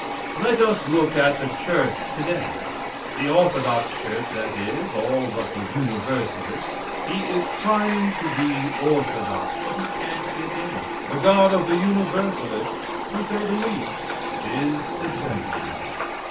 Let us look at the church today. The orthodox church that is, all but the Universalist. He is trying to be orthodox, but he can't get in. The God of the Universalists, to say the least, is a gentleman.